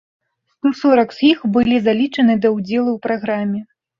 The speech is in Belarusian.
Сто сорак з іх былі залічаны да ўдзелу ў праграме.